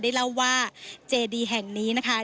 เล่าว่าเจดีแห่งนี้นะคะ